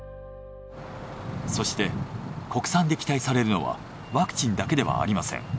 そして国産で期待されるのはワクチンだけではありません。